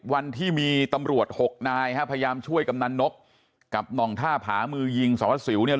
วันที่มีตำรวจ๖นายพยายามช่วยกำหนังนกกับนองท่าผามือยิงสอสิวเนี่ย